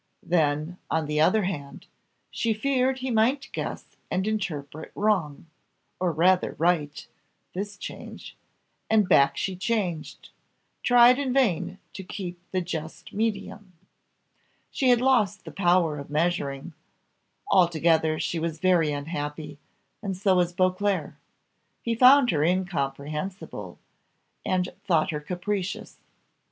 Then, on the other hand, she feared he might guess and interpret wrong, or rather right, this change; and back she changed, tried in vain to keep the just medium she had lost the power of measuring altogether she was very unhappy, and so was Beauclerc; he found her incomprehensible, and thought her capricious.